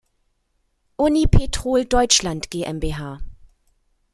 Unipetrol Deutschland GmbH